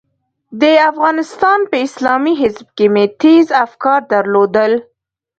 د افغانستان په اسلامي حزب کې مې تېز افکار درلودل.